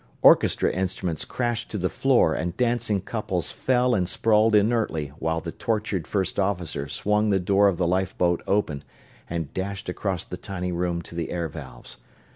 Orchestra instruments crashed to the floor and dancing couples fell and sprawled inertly while the tortured First Officer swung the door of the lifeboat open and dashed across the tiny room to the air valves.